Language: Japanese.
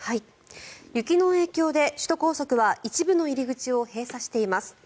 雪の影響で首都高速は一部の入り口を閉鎖しています。